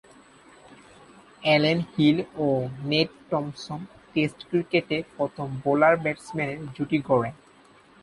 Allen Hill ও Nat Thomson Test ক্রিকেটে প্রথম বোলার/ব্যাটসম্যানের জুটি গড়েন।